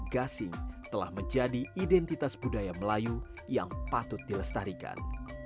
gasing telah menjadi identitas budaya melayu yang patut dilestarikan